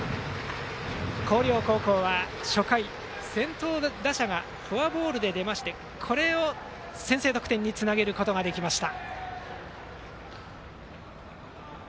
広陵高校は初回、先頭打者がフォアボールで出ましてこれを、先制得点につなげることができました。